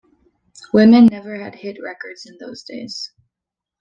Women never had hit records in those days.